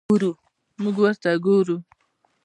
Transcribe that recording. موږ ورته ګورو.